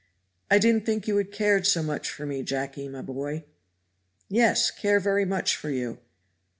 "I didn't think you had cared so much for me, Jacky, my boy." "Yes, care very much for you.